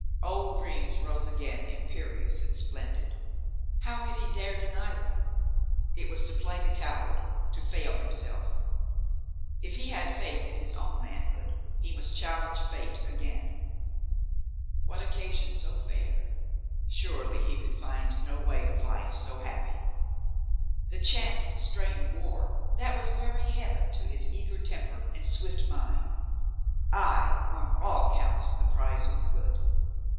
Old dreams rose again imperious and splendid. How could he dare deny them? It was to play the coward, to fail himself. If he had COLONEL STOW KNOWS HLMSELF 457 faith in his own manhood, he must challenge fate again. What occasion so fair? Surely he could find no way of life so happy. The chance and strain of war, that was very Heaven to his eager temper and swift mind. Ay, on all counts the prize was good.